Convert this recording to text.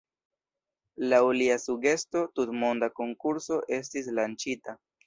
Laŭ lia sugesto, tutmonda konkurso estis lanĉita.